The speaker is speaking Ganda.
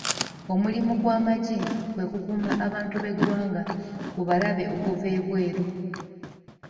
Omulimu gw'amagye kwe kukuuma abantu b'eggwanga ku balabe okuva ebweru.